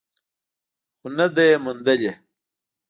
خو نه ده یې موندلې.